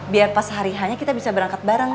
biar pas hari hanya kita bisa berangkat bareng